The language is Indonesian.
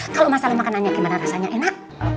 kalau masalah makanannya gimana rasanya enak